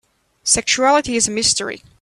Sexuality is a mystery.